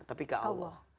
tapi ke allah